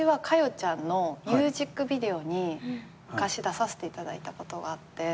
ちゃんのミュージックビデオに昔出させていただいたことがあって。